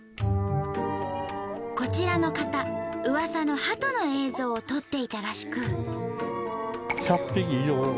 こちらの方うわさのハトの映像を撮っていたらしく。